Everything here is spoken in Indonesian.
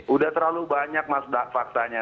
udah terlalu banyak mas udah fakta nya